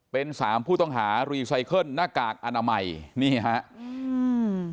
เป็นสามผู้ต้องหารีไซเคิลหน้ากากอนามัยนี่ฮะอืม